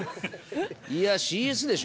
いやＣＳでしょ？